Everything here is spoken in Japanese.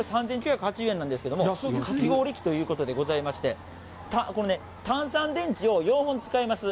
これ３９８０円なんですけれども、かき氷器ということでございまして、単三電池を４本使います。